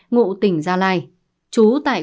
ngụ tỉnh gia lai chú tại